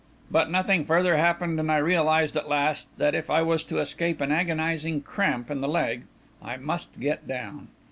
But nothing further happened, and I realised, at last, that if I was to escape an agonising cramp in the leg, I must get down.